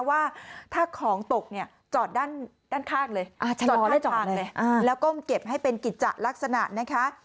ว่าถ้าของตกเนี่ยจอดด้านข้างเลยจอดข้างทางเลยแล้วก้มเก็บให้เป็นกิจจะลักษณะนะคะ